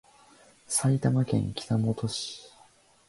埼玉県北本市